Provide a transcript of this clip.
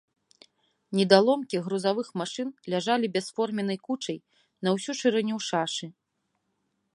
Недаломкі грузавых машын ляжалі бясформеннай кучай на ўсю шырыню шашы.